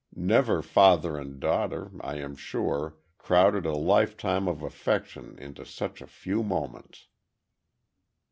Never father and daughter, I am sure, crowded a lifetime of affection into such a few moments."